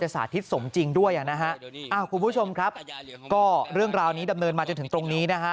สาธิตสมจริงด้วยอ่ะนะฮะคุณผู้ชมครับก็เรื่องราวนี้ดำเนินมาจนถึงตรงนี้นะฮะ